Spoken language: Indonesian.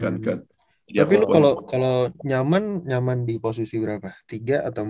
tapi lo kalau nyaman nyaman di posisi berapa tiga atau empat